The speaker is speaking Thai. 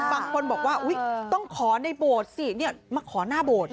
บางคนบอกว่าต้องขอในโบสถ์สิมาขอหน้าโบสถ์